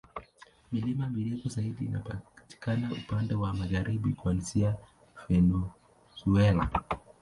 Milima mirefu zaidi inapatikana upande wa magharibi, kuanzia Venezuela.